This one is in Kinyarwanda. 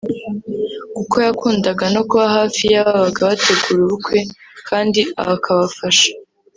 kuko yakundaga no kuba hafi y’ababaga bategura ubukwe kandi akabafasha